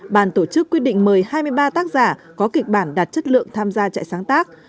bàn tổ chức quyết định mời hai mươi ba tác giả có kịch bản đạt chất lượng tham gia trại sáng tác